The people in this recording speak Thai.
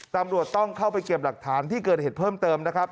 ตำรวจต้องเข้าไปเก็บหลักฐานที่เกิดเหตุเพิ่มเติมนะครับ